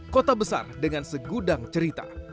kota besar dengan segudang cerita